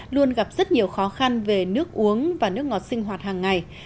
luôn gặp rất nhiều khó khăn về nước uống và nước ngọt sinh hoạt hàng ngày